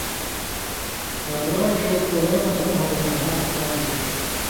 کاپھرہ وَیں ݜېں ٹولئی واں جمع ہُوگلےحملاں اطلاع مِللوۡ